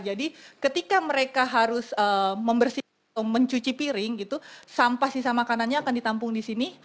jadi ketika mereka harus membersihkan atau mencuci piring gitu sampah sisa makanannya akan ditampung disini